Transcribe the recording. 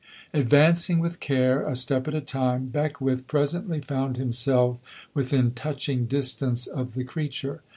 Advancing with care, a step at a time, Beckwith presently found himself within touching distance of the creature.